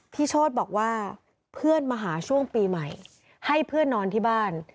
โชธบอกว่าเพื่อนมาหาช่วงปีใหม่ให้เพื่อนนอนที่บ้าน